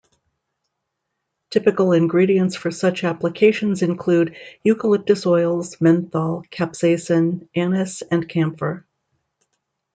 Typical ingredients for such applications include eucalyptus oils, menthol, capsaicin, anise and camphor.